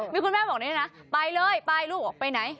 มีคุณแม่บอกนี่นะไปเลยไปลูกไปไหน